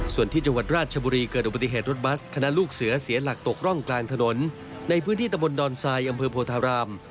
ส่วนที่จังหวัดราชบุรีเกิดอุบัติเหตุรถบัสคณะลูกเสือเสียหลักตกร่องกลางถนนในพื้นที่ตะบนดอนทรายอำเภอโพธาราม